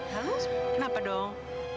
hah kenapa dong